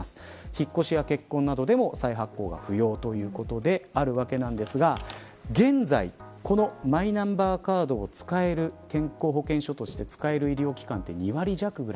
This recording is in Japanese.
引っ越しや結婚などでも再発行が不要ということであるわけですが現在、このマイナンバーカードを健康保険証として使える医療機関は２割弱です。